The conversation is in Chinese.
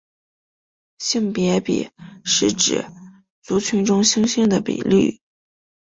性别比是指族群中雄性的比率。